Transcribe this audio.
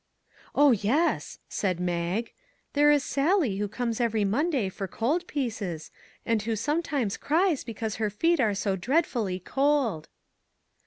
" "Oh, yes," said Mag; "there is Sally who comes every Monday for cold pieces, and who sometimes cries because her feet are so dread fully cold."